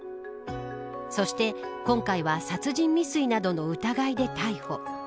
そして今回は殺人未遂などの疑いで逮捕。